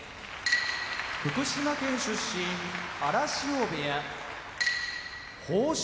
福島県出身荒汐部屋豊昇